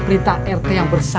kita rt yang bersah